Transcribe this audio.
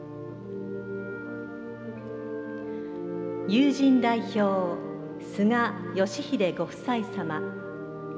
友人代表、菅義偉ご夫妻様。